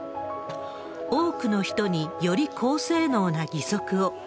多くの人により高性能な義足を。